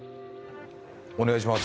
お願いします。